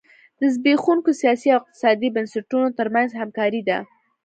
د زبېښونکو سیاسي او اقتصادي بنسټونو ترمنځ همکاري ده.